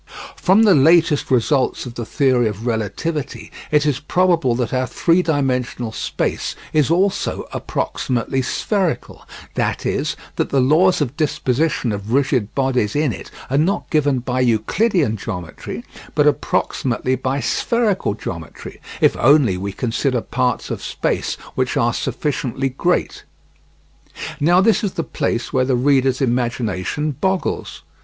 From the latest results of the theory of relativity it is probable that our three dimensional space is also approximately spherical, that is, that the laws of disposition of rigid bodies in it are not given by Euclidean geometry, but approximately by spherical geometry, if only we consider parts of space which are sufficiently great. Now this is the place where the reader's imagination boggles.